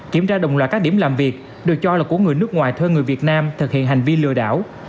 kiểm tra đồng loạt các điểm làm việc được cho là của người nước ngoài thuê người việt nam thực hiện hành vi lừa đảo